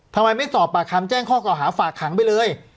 ทำไมไม่สอบปากคำแจ้งข้อเก่าหาฝากขังไปเลย